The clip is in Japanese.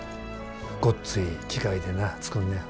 ごっつい機械でな作んねや。